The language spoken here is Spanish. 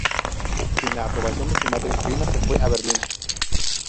Sin la aprobación de su madre, Rina se fue a Berlín.